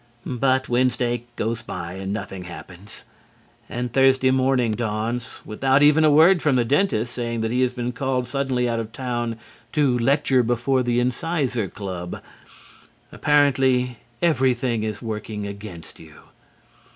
But Wednesday goes by and nothing happens. And Thursday morning dawns without even a word from the dentist saying that he has been called suddenly out of town to lecture before the Incisor Club. Apparently, everything is working against you.